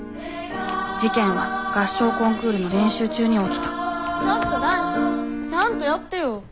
事件は合唱コンクールの練習中に起きたちょっと男子ちゃんとやってよ。